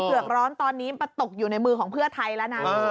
ือกร้อนตอนนี้มาตกอยู่ในมือของเพื่อไทยแล้วนะ